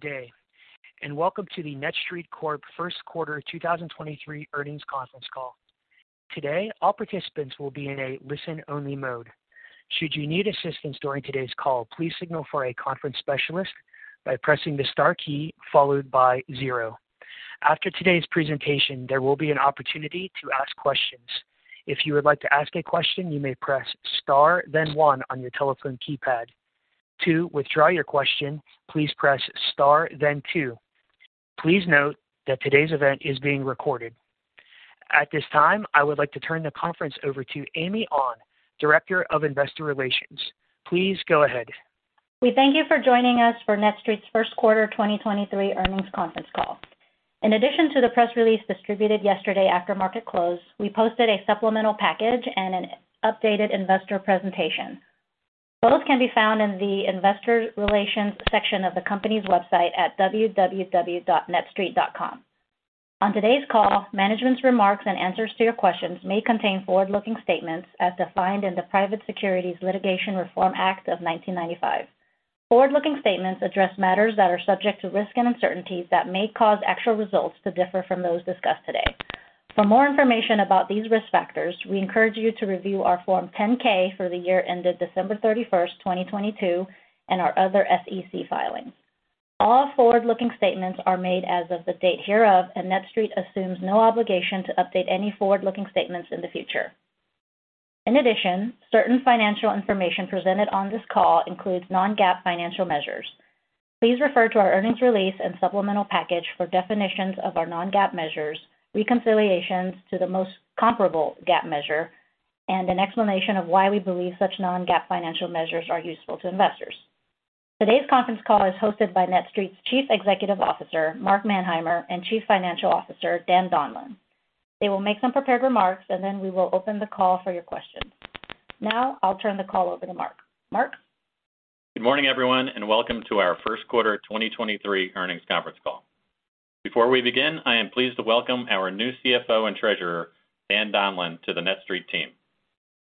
Good day, welcome to the NETSTREIT Corp first quarter 2023 earnings conference call. Today, all participants will be in a listen-only mode. Should you need assistance during today's call, please signal for a conference specialist by pressing the star key followed by zero. After today's presentation, there will be an opportunity to ask questions. If you would like to ask a question, you may press star then one on your telephone keypad. To withdraw your question, please press star then two. Please note that today's event is being recorded. At this time, I would like to turn the conference over to Amy An, Director of Investor Relations. Please go ahead. We thank you for joining us for NETSTREIT's first quarter 2023 earnings conference call. In addition to the press release distributed yesterday after market close, we posted a supplemental package and an updated investor presentation. Both can be found in the investor relations section of the company's website at www.netstreit.com. On today's call, management's remarks and answers to your questions may contain forward-looking statements as defined in the Private Securities Litigation Reform Act of 1995. Forward-looking statements address matters that are subject to risks and uncertainties that may cause actual results to differ from those discussed today. For more information about these risk factors, we encourage you to review our Form 10-K for the year ended December 31st, 2022, and our other SEC filings. All forward-looking statements are made as of the date hereof, and NETSTREIT assumes no obligation to update any forward-looking statements in the future. In addition, certain financial information presented on this call includes non-GAAP financial measures. Please refer to our earnings release and supplemental package for definitions of our non-GAAP measures, reconciliations to the most comparable GAAP measure, and an explanation of why we believe such non-GAAP financial measures are useful to investors. Today's conference call is hosted by NETSTREIT's Chief Executive Officer, Mark Manheimer, and Chief Financial Officer, Dan Donlan. They will make some prepared remarks, and then we will open the call for your questions. Now, I'll turn the call over to Mark. Mark? Good morning, everyone, and welcome to our first quarter 2023 earnings conference call. Before we begin, I am pleased to welcome our new CFO and Treasurer, Dan Donlan, to the NETSTREIT team.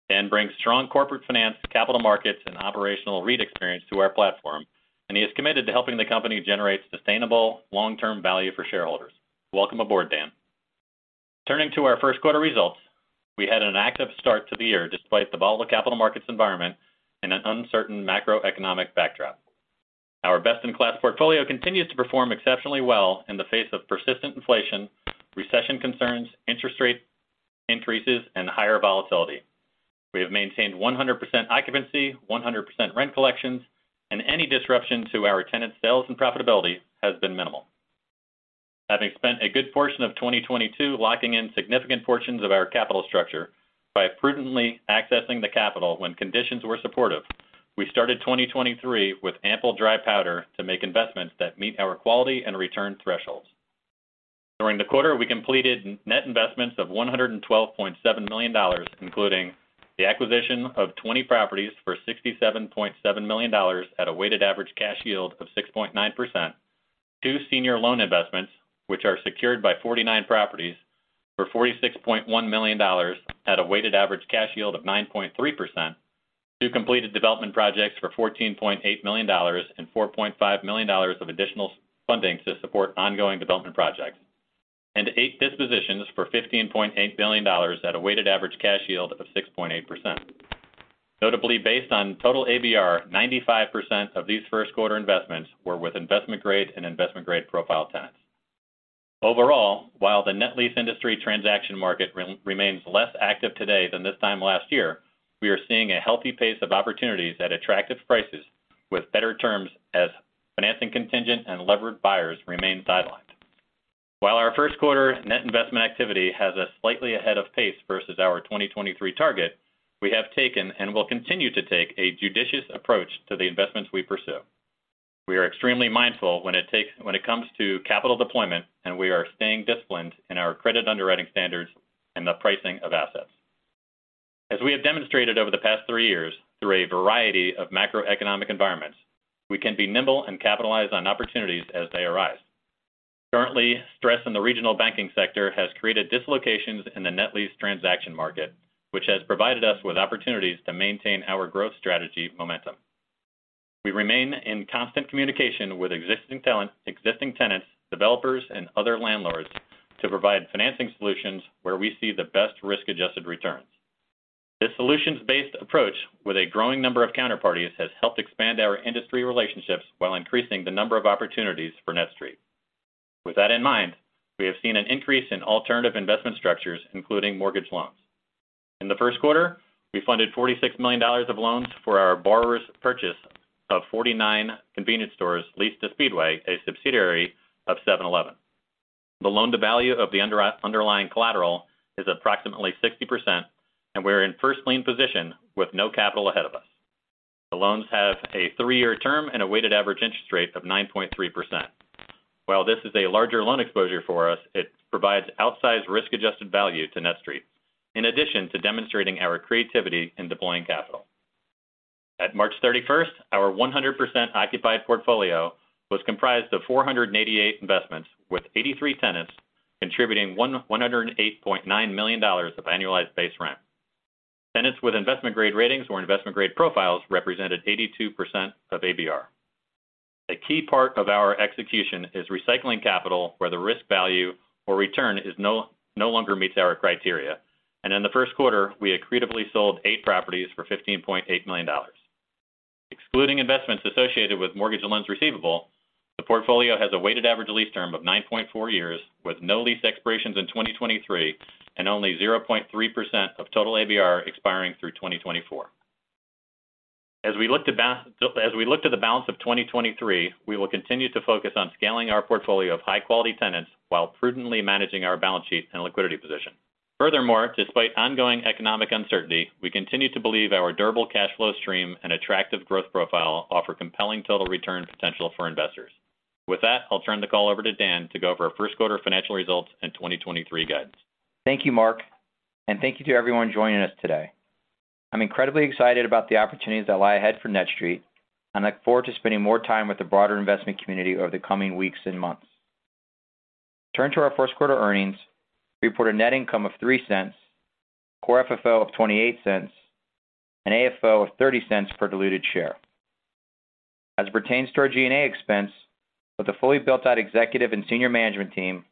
Dan brings strong corporate finance, capital markets, and operational REIT experience to our platform, and he is committed to helping the company generate sustainable long-term value for shareholders. Welcome aboard, Dan. Turning to our first quarter results, we had an active start to the year despite the volatile capital markets environment and an uncertain macroeconomic backdrop. Our best-in-class portfolio continues to perform exceptionally well in the face of persistent inflation, recession concerns, interest rate increases, and higher volatility. We have maintained 100% occupancy, 100% rent collections, and any disruption to our tenants' sales and profitability has been minimal. Having spent a good portion of 2022 locking in significant portions of our capital structure by prudently accessing the capital when conditions were supportive, we started 2023 with ample dry powder to make investments that meet our quality and return thresholds. During the quarter, we completed net investments of $112.7 million, including the acquisition of 20 properties for $67.7 million at a weighted average cash yield of 6.9%, two senior loan investments, which are secured by 49 properties for $46.1 million at a weighted average cash yield of 9.3%, two completed development projects for $14.8 million and $4.5 million of additional funding to support ongoing development projects, and eight dispositions for $15.8 million at a weighted average cash yield of 6.8%. Notably, based on total ABR, 95% of these first quarter investments were with Investment Grade and Investment Grade Profile tenants. Overall, while the net lease industry transaction market remains less active today than this time last year, we are seeing a healthy pace of opportunities at attractive prices with better terms as financing contingent and levered buyers remain sidelined. While our first quarter net investment activity has us slightly ahead of pace versus our 2023 target, we have taken and will continue to take a judicious approach to the investments we pursue. We are extremely mindful when it comes to capital deployment. We are staying disciplined in our credit underwriting standards and the pricing of assets. As we have demonstrated over the past three years through a variety of macroeconomic environments, we can be nimble and capitalize on opportunities as they arise. Currently, stress in the regional banking sector has created dislocations in the net lease transaction market, which has provided us with opportunities to maintain our growth strategy momentum. We remain in constant communication with existing talent, existing tenants, developers, and other landlords to provide financing solutions where we see the best risk-adjusted returns. This solutions-based approach with a growing number of counterparties has helped expand our industry relationships while increasing the number of opportunities for NETSTREIT. With that in mind, we have seen an increase in alternative investment structures, including mortgage loans. In the first quarter, we funded $46 million of loans for our borrower's purchase of 49 convenience stores leased to Speedway, a subsidiary of 7-Eleven. The loan-to-value of the underlying collateral is approximately 60%, and we're in first lien position with no capital ahead of us. The loans have a three-year term and a weighted average interest rate of 9.3%. While this is a larger loan exposure for us, it provides outsized risk-adjusted value to NETSTREIT, in addition to demonstrating our creativity in deploying capital. At March 31st, our 100% occupied portfolio was comprised of 488 investments with 83 tenants, contributing $108.9 million of annualized base rent. Tenants with Investment Grade ratings or Investment Grade Profiles represented 82% of ABR. A key part of our execution is recycling capital where the risk value or return is no longer meets our criteria. In the first quarter, we accretively sold eight properties for $15.8 million. Excluding investments associated with mortgage and loans receivable, the portfolio has a weighted average lease term of 9.4 years, with no lease expirations in 2023, and only 0.3% of total ABR expiring through 2024. As we look to the balance of 2023, we will continue to focus on scaling our portfolio of high quality tenants while prudently managing our balance sheet and liquidity position. Despite ongoing economic uncertainty, we continue to believe our durable cash flow stream and attractive growth profile offer compelling total return potential for investors. With that, I'll turn the call over to Dan Donlan to go over our first quarter financial results and 2023 guidance. Thank you, Mark, and thank you to everyone joining us today. I'm incredibly excited about the opportunities that lie ahead for NETSTREIT, and look forward to spending more time with the broader investment community over the coming weeks and months. Turning to our first quarter earnings, we report a net income of $0.03, core FFO of $0.28, and AFFO of $0.30 per diluted share. As it pertains to our G&A expense, with a fully built out executive and senior management team,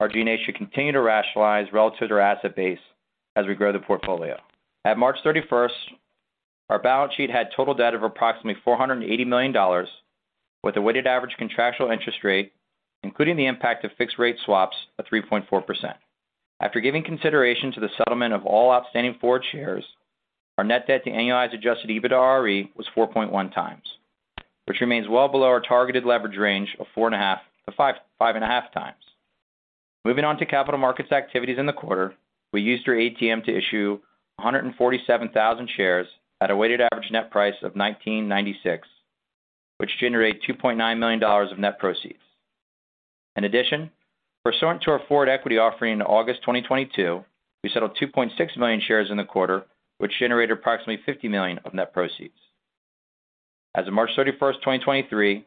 our G&A should continue to rationalize relative to our asset base as we grow the portfolio. At March 31st, our balance sheet had total debt of approximately $480 million, with a weighted average contractual interest rate, including the impact of fixed rate swaps of 3.4%. After giving consideration to the settlement of all outstanding forward shares, our net debt to annualized Adjusted EBITDAre was 4.1x, which remains well below our targeted leverage range of 4.5x-5.5x. Moving on to capital markets activities in the quarter. We used our ATM to issue 147,000 shares at a weighted average net price of $19.96, which generate $2.9 million of net proceeds. Pursuant to our forward equity offering in August 2022, we settled 2.6 million shares in the quarter, which generated approximately $50 million of net proceeds. As of March 31, 2023,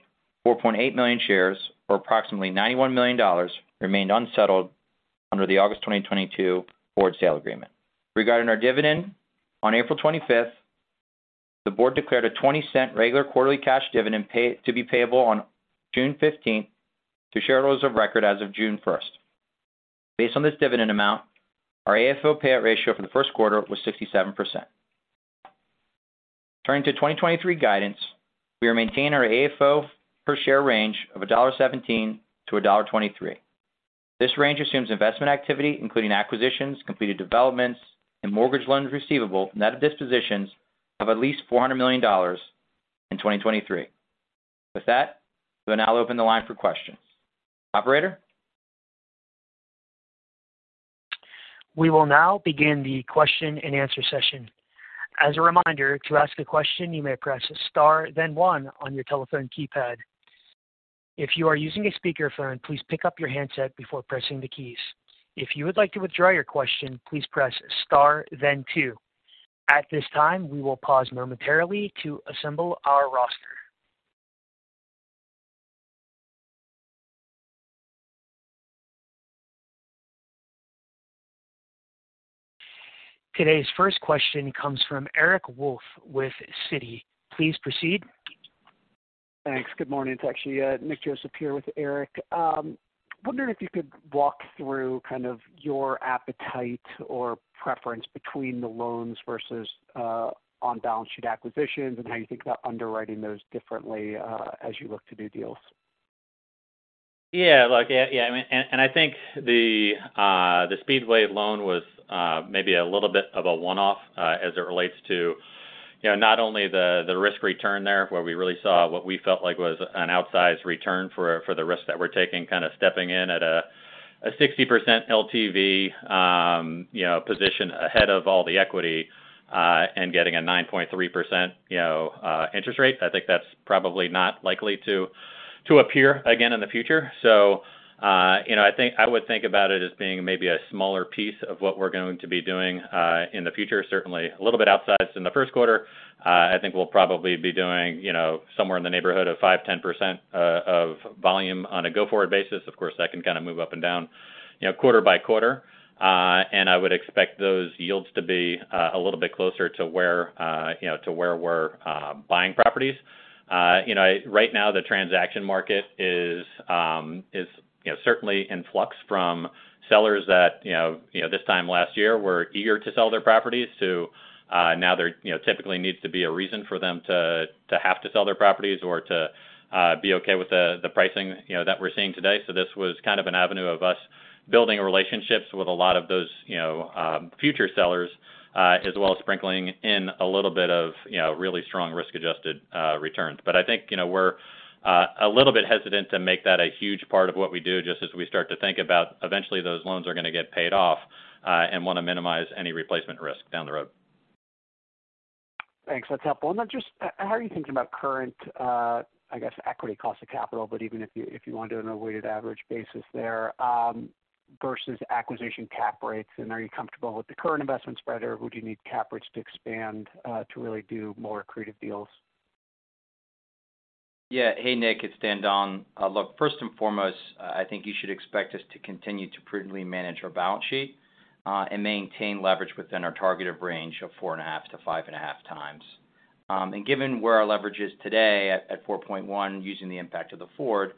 4.8 million shares, or approximately $91 million, remained unsettled under the August 2022 forward sale agreement. Regarding our dividend, on April 25th, the board declared a $0.20 regular quarterly cash dividend pay to be payable on June 15th to shareholders of record as of June 1st. Based on this dividend amount, our AFFO payout ratio for the first quarter was 67%. Turning to 2023 guidance, we are maintaining our AFFO per share range of $1.17-$1.23. This range assumes investment activity, including acquisitions, completed developments, and mortgage loans receivable from net of dispositions of at least $400 million in 2023. We'll now open the line for questions. Operator? We will now begin the question-and-answer session. As a reminder, to ask a question, you may press star then one on your telephone keypad. If you are using a speakerphone, please pick up your handset before pressing the keys. If you would like to withdraw your question, please press star then two. At this time, we will pause momentarily to assemble our roster. Today's first question comes from Eric Wolfe with Citi. Please proceed. Thanks. Good morning. It's actually Nick Joseph here with Eric. Wondering if you could walk through kind of your appetite or preference between the loans versus on balance sheet acquisitions and how you think about underwriting those differently as you look to do deals? Yeah. Look, yeah, I mean, I think the Speedway loan was maybe a little bit of a one-off, as it relates to, you know, not only the risk return there, where we really saw what we felt like was an outsized return for the risk that we're taking, kind of stepping in at a 60% LTV, you know, position ahead of all the equity, and getting a 9.3%, you know, interest rate. I think that's probably not likely to appear again in the future. I think I would think about it as being maybe a smaller piece of what we're going to be doing in the future. Certainly a little bit outsized in the first quarter. I think we'll probably be doing, you know, somewhere in the neighborhood of 5%-10% of volume on a go-forward basis. Of course, that can kind of move up and down, you know, quarter by quarter. I would expect those yields to be a little bit closer to where, you know, to where we're buying properties. You know, right now the transaction market is, you know, certainly in flux from sellers that, you know, this time last year were eager to sell their properties to, now there, you know, typically needs to be a reason for them to have to sell their properties or to, be okay with the pricing, you know, that we're seeing today. This was kind of an avenue of us building relationships with a lot of those, you know, future sellers, as well as sprinkling in a little bit of, you know, really strong risk-adjusted returns. I think, you know, we're a little bit hesitant to make that a huge part of what we do, just as we start to think about eventually those loans are gonna get paid off, and wanna minimize any replacement risk down the road. Thanks. That's helpful. How are you thinking about current, I guess, equity cost of capital, but even if you, if you want to do it on a weighted average basis there, versus acquisition cap rates? Are you comfortable with the current investment spread, or would you need cap rates to expand, to really do more accretive deals? Yeah. Hey, Nick, it's Dan Donlan. Look, first and foremost, I think you should expect us to continue to prudently manage our balance sheet and maintain leverage within our targeted range of 4.5x-5.5x. Given where our leverage is today at 4.1x using the impact of the forward,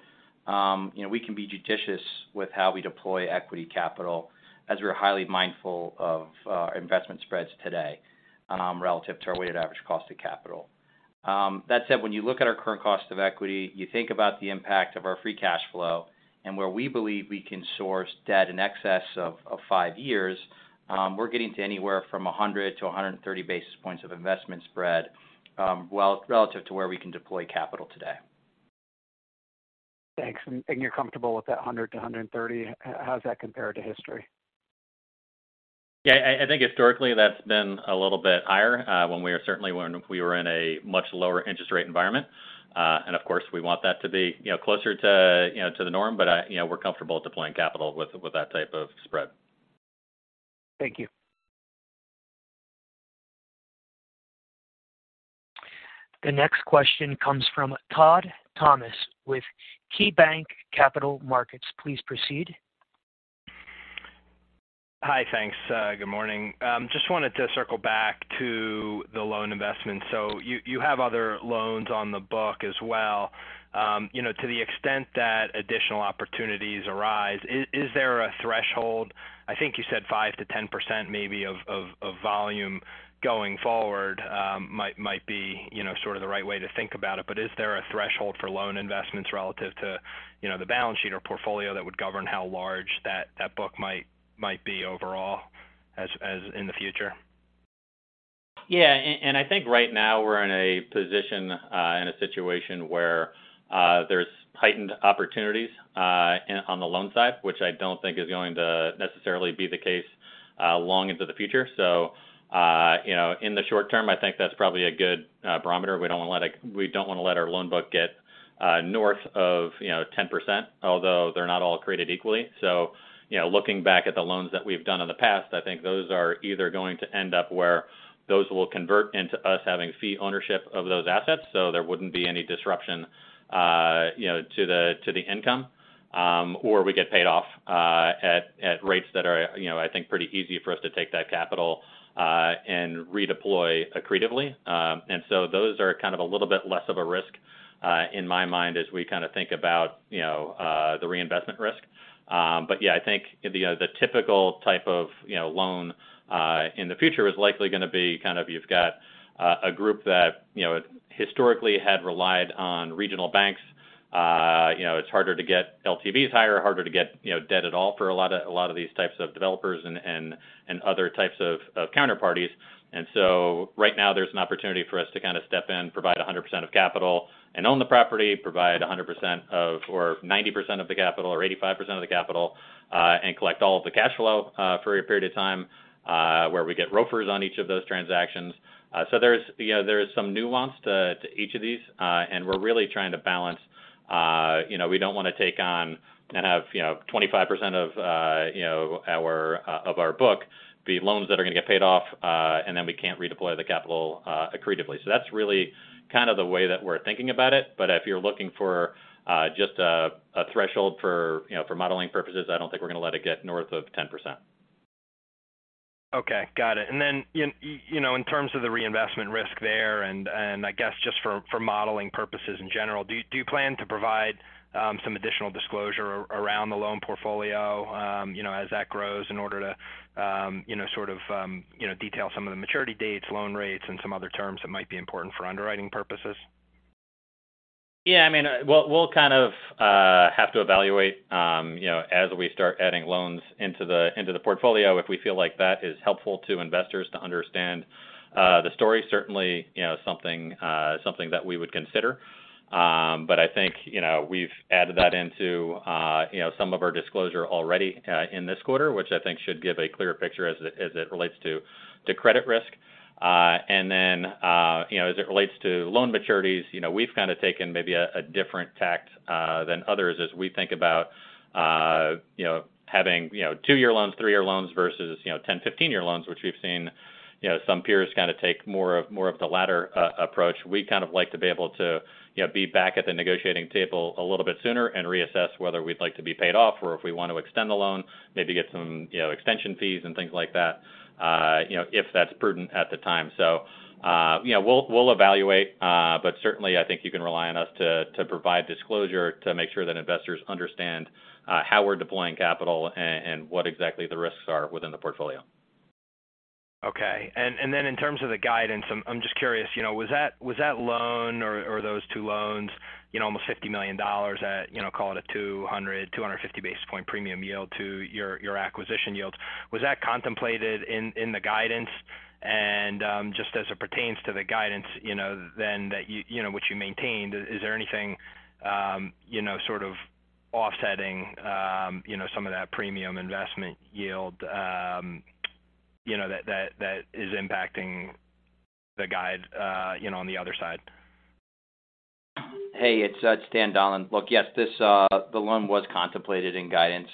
you know, we can be judicious with how we deploy equity capital as we are highly mindful of investment spreads today relative to our weighted average cost of capital. That said, when you look at our current cost of equity, you think about the impact of our free cash flow and where we believe we can source debt in excess of five years, we're getting to anywhere from 100-130 basis points of investment spread, relative to where we can deploy capital today. Thanks. You're comfortable with that 100-130 basis points. How does that compare to history? I think historically that's been a little bit higher, when we were certainly when we were in a much lower interest rate environment. Of course, we want that to be, you know, closer to, you know, to the norm, but I, you know, we're comfortable deploying capital with that type of spread. Thank you. The next question comes from Todd Thomas with KeyBanc Capital Markets. Please proceed. Hi. Thanks. Good morning. Just wanted to circle back to the loan investment. You have other loans on the book as well. You know, to the extent that additional opportunities arise, is there a threshold? I think you said 5%-10% maybe of volume going forward, might be, you know, sort of the right way to think about it. Is there a threshold for loan investments relative to, you know, the balance sheet or portfolio that would govern how large that book might be overall as in the future? Yeah. I think right now we're in a position, in a situation where, there's heightened opportunities, on the loan side, which I don't think is going to necessarily be the case, long into the future. You know, in the short term, I think that's probably a good barometer. We don't want to let we don't want to let our loan book get, north of, you know, 10%, although they're not all created equally. You know, looking back at the loans that we've done in the past, I think those are either going to end up where those will convert into us having fee ownership of those assets, so there wouldn't be any disruption, you know, to the, to the income, or we get paid off at rates that are, you know, I think pretty easy for us to take that capital and redeploy accretively. Those are kind of a little bit less of a risk in my mind as we kind of think about, you know, the reinvestment risk. I think the typical type of, you know, loan in the future is likely gonna be kind of you've got a group that, you know, historically had relied on regional banks. You know, it's harder to get LTVs higher or harder to get, you know, debt at all for a lot of, a lot of these types of developers and, and other types of counterparties. Right now there's an opportunity for us to kind of step in, provide 100% of capital and own the property, provide 100% of or 90% of the capital or 85% of the capital, and collect all of the cash flow for a period of time, where we get ROFRs on each of those transactions. So there's, you know, there's some nuance to each of these, and we're really trying to balance. you know, we don't wanna take on and have, you know, 25% of, you know, of our book be loans that are gonna get paid off, and then we can't redeploy the capital accretively. That's really kind of the way that we're thinking about it. If you're looking for, just a threshold for, you know, for modeling purposes, I don't think we're gonna let it get north of 10%. Okay. Got it. Then, you know, in terms of the reinvestment risk there, and I guess just for modeling purposes in general, do you plan to provide some additional disclosure around the loan portfolio, you know, as that grows in order to, you know, sort of, you know, detail some of the maturity dates, loan rates, and some other terms that might be important for underwriting purposes? Yeah, I mean, we'll kind of have to evaluate, you know, as we start adding loans into the portfolio, if we feel like that is helpful to investors to understand the story. Certainly, you know, something that we would consider. I think, you know, we've added that into some of our disclosure already in this quarter, which I think should give a clearer picture as it relates to credit risk. You know, as it relates to loan maturities, you know, we've kind of taken maybe a different tact than others as we think about, you know, having two-year loans, three-year loans versus, you know, 10, 15-year loans, which we've seen, you know, some peers kind of take more of the latter approach. We kind of like to be able to, you know, be back at the negotiating table a little bit sooner and reassess whether we'd like to be paid off or if we want to extend the loan, maybe get some, you know, extension fees and things like that, you know, if that's prudent at the time. You know, we'll evaluate, but certainly I think you can rely on us to provide disclosure to make sure that investors understand, how we're deploying capital and what exactly the risks are within the portfolio. Okay. Then in terms of the guidance, I'm just curious, you know, was that loan or those two loans, you know, almost $50 million at, you know, call it a 200-250 basis point premium yield to your acquisition yields? Was that contemplated in the guidance? Just as it pertains to the guidance, you know, then that you know, which you maintained, is there anything, you know, sort of offsetting, you know, some of that premium investment yield, you know, that is impacting the guide, you know, on the other side? Hey, it's Dan Donlan. Look, yes, this, the loan was contemplated in guidance.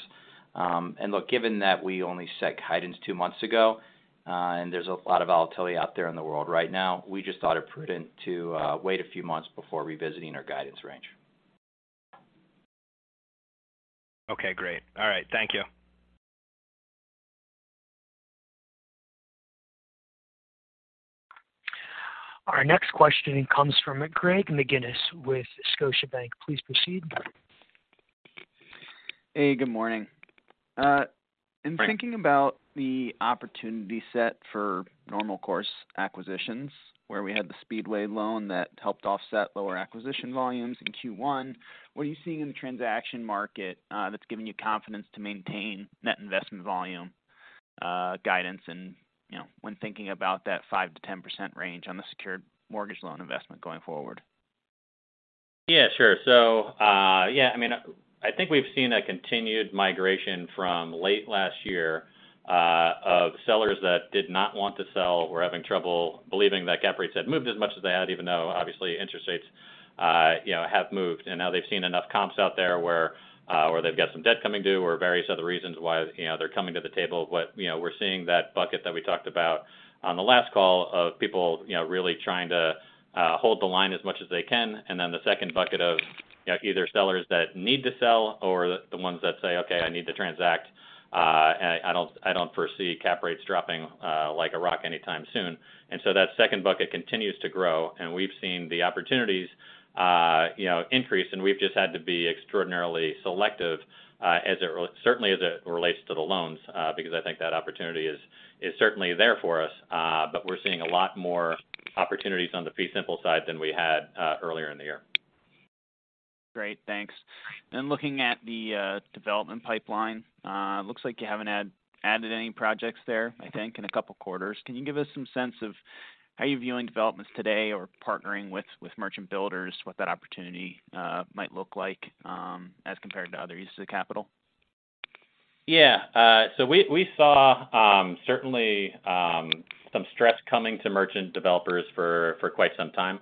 Look, given that we only set guidance two months ago, and there's a lot of volatility out there in the world right now, we just thought it prudent to wait a few months before revisiting our guidance range. Okay, great. All right. Thank you. Our next question comes from Greg McGinniss with Scotiabank. Please proceed. Hey, good morning. Hi. In thinking about the opportunity set for normal course acquisitions, where we had the Speedway loan that helped offset lower acquisition volumes in Q1, what are you seeing in the transaction market that's giving you confidence to maintain net investment volume guidance and, you know, when thinking about that 5%-10% range on the secured mortgage loan investment going forward? Sure. I mean, I think we've seen a continued migration from late last year of sellers that did not want to sell, were having trouble believing that cap rates had moved as much as they had, even though obviously interest rates, you know, have moved. Now they've seen enough comps out there where they've got some debt coming due or various other reasons why, you know, they're coming to the table. You know, we're seeing that bucket that we talked about on the last call of people, you know, really trying to hold the line as much as they can. The second bucket of, you know, either sellers that need to sell or the ones that say, "Okay, I need to transact, and I don't foresee cap rates dropping like a rock anytime soon." That second bucket continues to grow. We've seen the opportunities, you know, increase, and we've just had to be extraordinarily selective, certainly as it relates to the loans, because I think that opportunity is certainly there for us. We're seeing a lot more opportunities on the fee simple side than we had earlier in the year. Great. Thanks. Looking at the development pipeline, looks like you haven't had added any projects there, I think, in two quarters. Can you give us some sense of how you're viewing developments today or partnering with merchant builders, what that opportunity might look like as compared to other uses of capital? We saw certainly some stress coming to merchant developers for quite some time.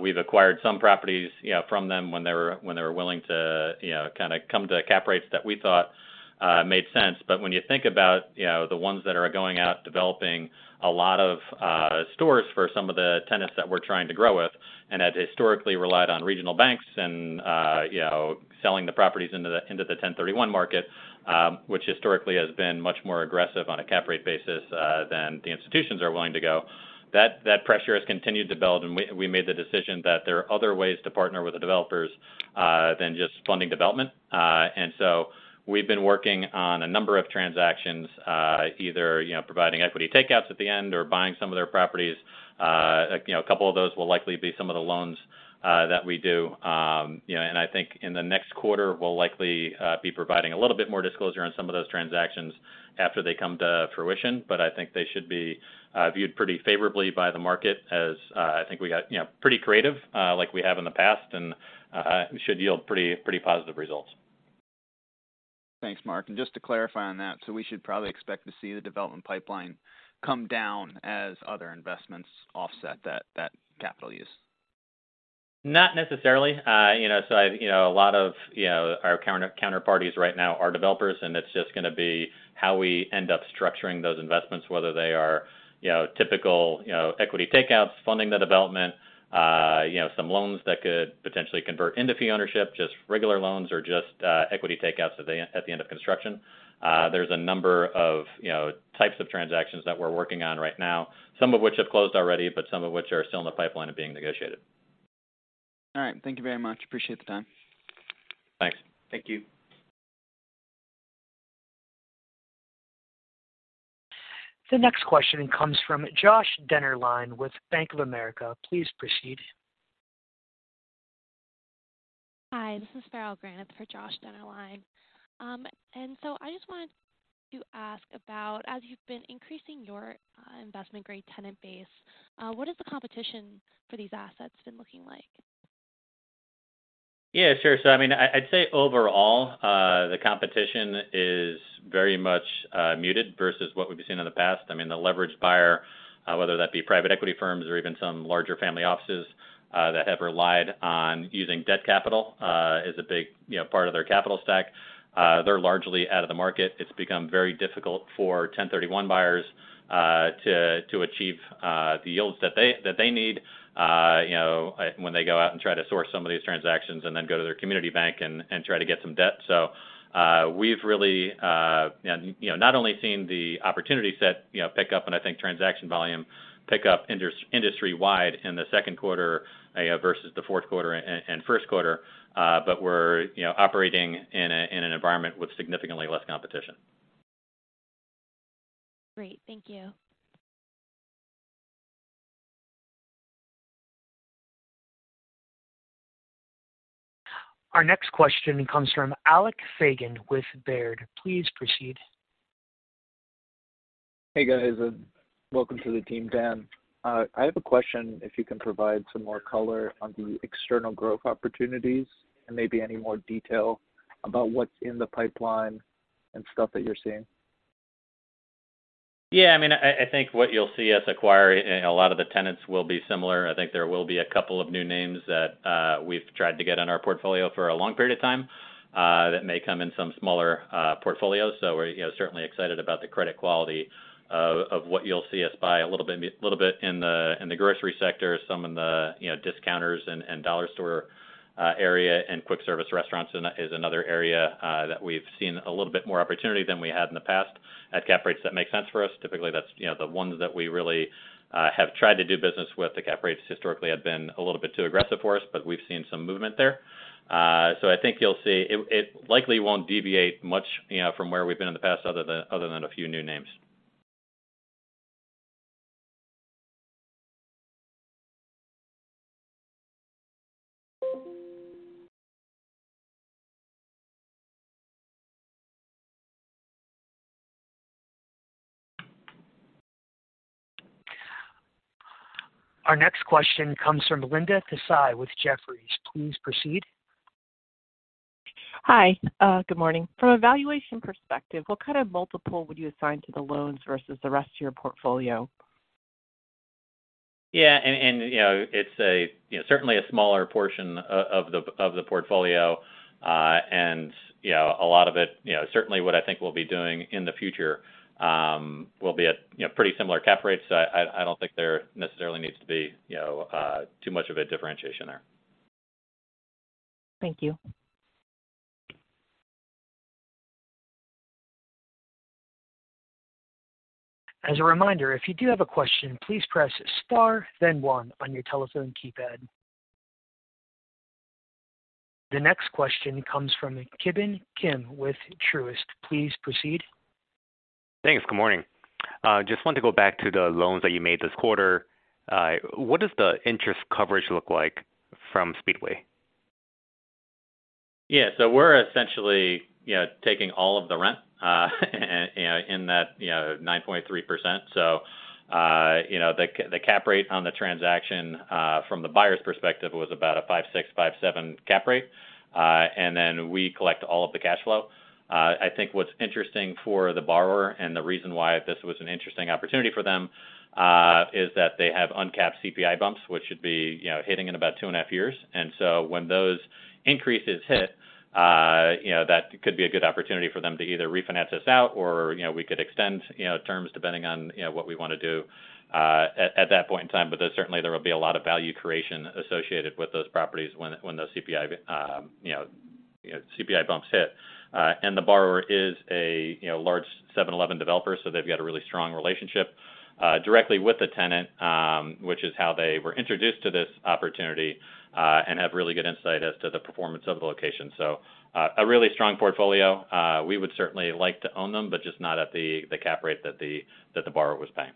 We've acquired some properties, you know, from them when they were willing to, you know, kinda come to cap rates that we thought made sense. When you think about, you know, the ones that are going out, developing a lot of stores for some of the tenants that we're trying to grow with and had historically relied on regional banks and, you know, selling the properties into the 1031 market, which historically has been much more aggressive on a cap rate basis than the institutions are willing to go. That pressure has continued to build, and we made the decision that there are other ways to partner with the developers than just funding development. We've been working on a number of transactions, either, you know, providing equity takeouts at the end or buying some of their properties. You know, a couple of those will likely be some of the loans that we do. I think in the next quarter, we'll likely be providing a little bit more disclosure on some of those transactions after they come to fruition. I think they should be viewed pretty favorably by the market as I think we got, you know, pretty creative, like we have in the past, and it should yield pretty positive results. Thanks, Mark. Just to clarify on that, we should probably expect to see the development pipeline come down as other investments offset that capital use. Not necessarily. You know, a lot of, you know, our counterparties right now are developers, and it's just gonna be how we end up structuring those investments, whether they are, you know, typical, you know, equity takeouts, funding the development, you know, some loans that could potentially convert into fee ownership, just regular loans or just, equity takeouts at the end of construction. There's a number of, you know, types of transactions that we're working on right now, some of which have closed already, some of which are still in the pipeline of being negotiated. All right. Thank you very much. Appreciate the time. Thanks. Thank you. The next question comes from Josh Dennerlein with Bank of America. Please proceed. Hi, this is Farrell Granath for Josh Dennerlein. I just wanted to ask about, as you've been increasing your Investment Grade tenant base, what is the competition for these assets been looking like? Yeah, sure. I mean, I'd say overall, the competition is very much muted versus what we've been seeing in the past. I mean, the leverage buyer, whether that be private equity firms or even some larger family offices, that have relied on using debt capital as a big, you know, part of their capital stack, they're largely out of the market. It's become very difficult for 1031 buyers to achieve the yields that they need, you know, when they go out and try to source some of these transactions and then go to their community bank and try to get some debt. We've really, you know, not only seen the opportunity set, you know, pick up and I think transaction volume pick up industry-wide in the second quarter, versus the fourth quarter and first quarter, but we're, you know, operating in an environment with significantly less competition. Great. Thank you. Our next question comes from Alex Fagan with Baird. Please proceed. Hey, guys, and welcome to the team, Dan. I have a question, if you can provide some more color on the external growth opportunities and maybe any more detail about what's in the pipeline and stuff that you're seeing. Yeah, I mean, I think what you'll see us acquire in a lot of the tenants will be similar. I think there will be a couple of new names that we've tried to get on our portfolio for a long period of time that may come in some smaller portfolios. We're, you know, certainly excited about the credit quality of what you'll see us buy a little bit in the grocery sector, some in the, you know, discounters and dollar store area and quick service restaurants that is another area that we've seen a little bit more opportunity than we had in the past at cap rates that make sense for us. Typically, that's, you know, the ones that we really have tried to do business with. The cap rates historically have been a little bit too aggressive for us, we've seen some movement there. I think you'll see it likely won't deviate much, you know, from where we've been in the past other than, other than a few new names. Our next question comes from Linda Tsai with Jefferies. Please proceed. Hi, good morning. From a valuation perspective, what kind of multiple would you assign to the loans versus the rest of your portfolio? Yeah, you know, it's a, you know, certainly a smaller portion of the, of the portfolio. You know, a lot of it, you know, certainly what I think we'll be doing in the future, will be at, you know, pretty similar cap rates. I don't think there necessarily needs to be, you know, too much of a differentiation there. Thank you. As a reminder, if you do have a question, please press star then one on your telephone keypad. The next question comes from Ki Bin Kim with Truist. Please proceed. Thanks. Good morning. Just want to go back to the loans that you made this quarter. What does the interest coverage look like from Speedway? We're essentially, you know, taking all of the rent, in that, you know, 9.3%. The cap rate on the transaction, from the buyer's perspective was about a 5.6-5.7 cap rate. We collect all of the cash flow. I think what's interesting for the borrower and the reason why this was an interesting opportunity for them, is that they have uncapped CPI bumps, which should be, you know, hitting in about two and a half years. When those increases hit, you know, that could be a good opportunity for them to either refinance this out or, you know, we could extend, you know, terms depending on, you know, what we wanna do at that point in time. There's certainly there will be a lot of value creation associated with those properties when those CPI, you know, CPI bumps hit. The borrower is a, you know, large 7-Eleven developer, so they've got a really strong relationship directly with the tenant, which is how they were introduced to this opportunity and have really good insight as to the performance of the location. A really strong portfolio. We would certainly like to own them, but just not at the cap rate that the borrower was paying.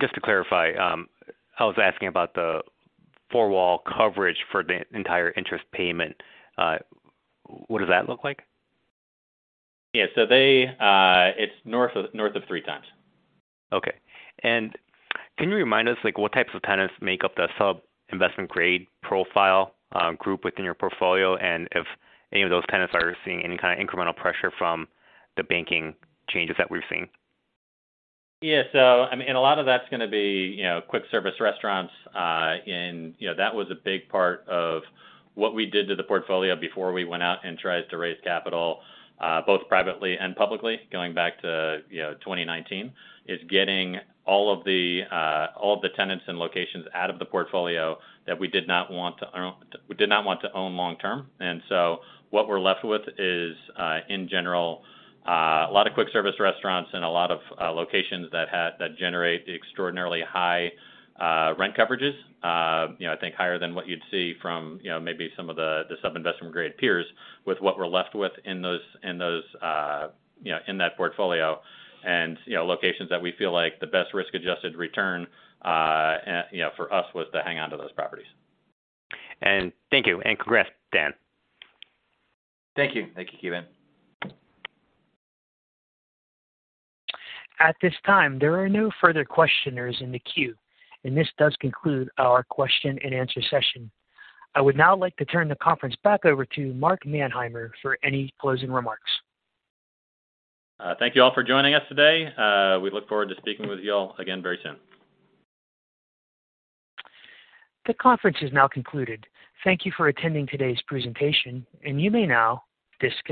Just to clarify, I was asking about the four-wall coverage for the entire interest payment. What does that look like? Yeah. they it's north of 3x. Okay. Can you remind us, like, what types of tenants make up the Sub-investment grade profile, group within your portfolio? If any of those tenants are seeing any kind of incremental pressure from the banking changes that we're seeing. Yeah. I mean, a lot of that's gonna be, you know, quick service restaurants. You know, that was a big part of what we did to the portfolio before we went out and tried to raise capital, both privately and publicly, going back to, you know, 2019, is getting all of the, all of the tenants and locations out of the portfolio that we did not want to own, we did not want to own long term. What we're left with is, in general, a lot of quick service restaurants and a lot of, locations that generate extraordinarily high, rent coverages. You know, I think higher than what you'd see from, you know, maybe some of the Sub-investment grade peers with what we're left with in those, you know, in that portfolio. You know, locations that we feel like the best risk-adjusted return, you know, for us was to hang on to those properties. Thank you, and congrats, Dan. Thank you. Thank you, Ki Bin. At this time, there are no further questioners in the queue. This does conclude our question-and-answer session. I would now like to turn the conference back over to Mark Manheimer for any closing remarks. Thank you all for joining us today. We look forward to speaking with you all again very soon. The conference is now concluded. Thank you for attending today's presentation. You may now disconnect.